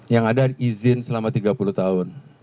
yang ada izin selama tiga puluh tahun